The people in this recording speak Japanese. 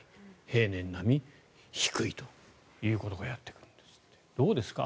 平年並み、低いということがやってくるんですね。